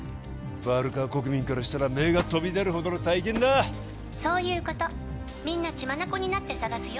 バルカ国民からしたら目が飛び出るほどの大金だ「そういうことみんな血眼になって捜すよ」